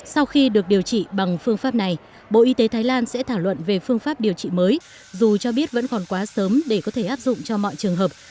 sau khi được điều trị bằng phương pháp này bộ y tế thái lan sẽ thảo luận về phương pháp điều trị mới dù cho biết vẫn còn quá sớm để có thể áp dụng cho mọi trường hợp